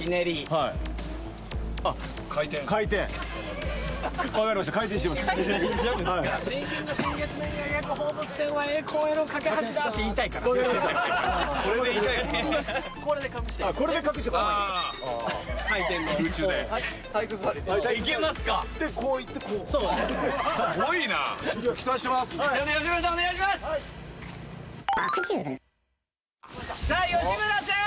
はいさあ吉村さん